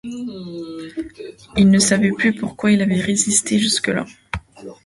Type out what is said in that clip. Il ne savait plus pourquoi il avait résisté jusque-là.